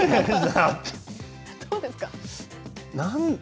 どうですか？